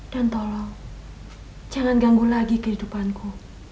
dan tolong jangan ganggu lagi kehidupanku